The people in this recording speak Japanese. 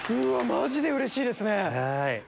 マジでうれしいですね！